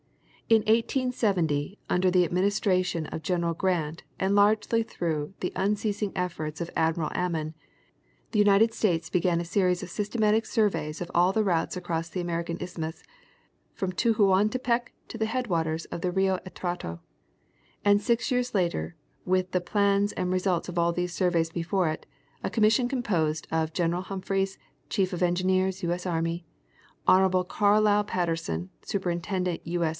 In 1870, under the administration of General Grant and largely through the unceasing efforts of Admiral Ammen, the United States began a series of systematic surveys of all the routes across the American isthmus from Tehuantepec to the head waters of the Rio Atrato ; and six years later, with the plans and results of all these surveys before it, a commission composed of General Humphreys, Chief of Engineers, U. S. Army ; Hon. Carlile Patterson, Superintendent U. S.